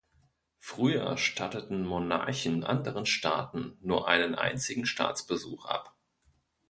Früher statteten Monarchen anderen Staaten nur einen einzigen Staatsbesuch ab.